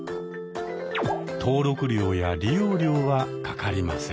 登録料や利用料はかかりません。